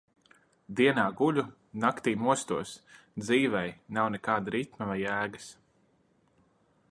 Dienā guļu, naktī mostos, dzīvei nav nekāda ritma vai jēgas.